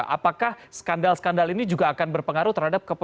apakah skandal skandal ini juga akan berpengaruh terhadap